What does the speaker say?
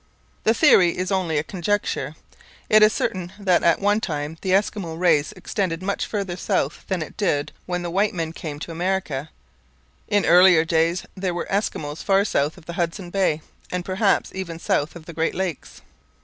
The theory is only a conjecture. It is certain that at one time the Eskimo race extended much farther south than it did when the white men came to America; in earlier days there were Eskimos far south of Hudson Bay, and perhaps even south of the Great Lakes.